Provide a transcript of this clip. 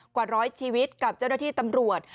กว่าร้อยชีวิตกับเจ้าหน้าที่ตำรวจ